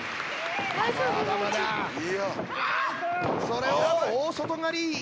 それを大外刈り！